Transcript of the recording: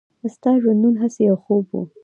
«ستا ژوندون هسې یو خوب و.»